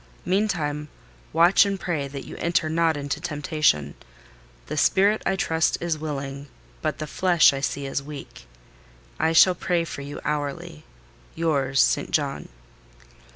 Meantime, watch and pray that you enter not into temptation: the spirit, I trust, is willing, but the flesh, I see, is weak. I shall pray for you hourly.—Yours, ST. JOHN."